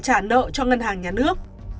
trả nợ cho ngân hàng nhà nước